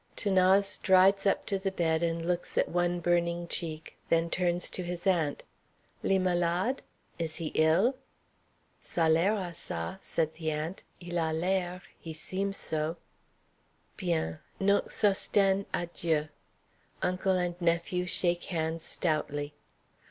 'Thanase strides up to the bed and looks at one burning cheek, then turns to his aunt. "Li malade?" "Is he ill?" "Sa l'air a ca," said the aunt. (Il a l'air he seems so.) "Bien, n'onc' Sosthène, adjieu." Uncle and nephew shake hands stoutly.